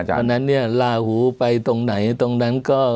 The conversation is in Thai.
เพราะฉะนั้นเนี่ยลาหูไปตรงไหนตรงนั้นก็